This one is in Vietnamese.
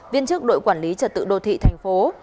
viên chức đội quản lý trật tự đô thị thành phố